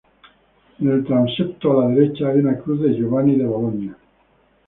En el transepto, a la derecha, hay una cruz de Giovanni da Bologna.